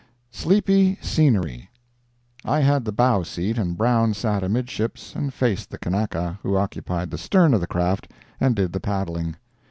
SLEEPY SCENERY I had the bow seat, and Brown sat amidships and faced the Kanaka, who occupied the stern of the craft and did the paddling.